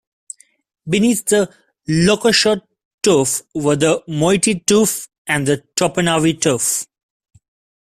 Beneath the Lokochot Tuff were the Moiti Tuff and the Topernawi Tuff.